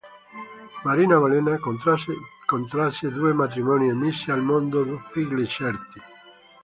Maria Bolena contrasse due matrimoni e mise al mondo due figli certi.